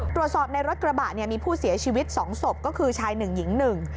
ตรวจสอบในรถกระบะมีผู้เสียชีวิต๒ศพก็คือชาย๑หญิง๑